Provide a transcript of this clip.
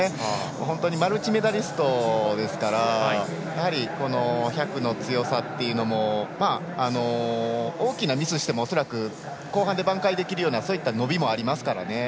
本当にマルチメダリストですからやはり、１００の強さというのも大きなミスしても恐らく後半で挽回できるようなそういった伸びもありますからね。